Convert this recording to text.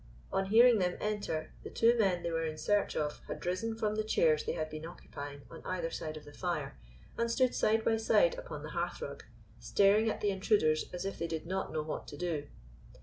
On hearing them enter the two men they were in search of had risen from the chairs they had been occupying on either side of the fire, and stood side by side upon the hearth rug, staring at the intruders as if they did not know what to do.